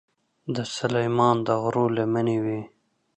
د سلیمان د غرو لمنې وې.